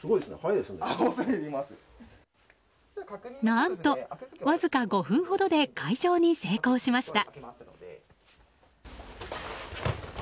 何と、わずか５分ほどで解錠に成功しました。